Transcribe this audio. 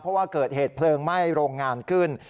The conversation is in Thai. เพราะว่าเกิดเหตุเพลิงไหม้โรงงานขึ้น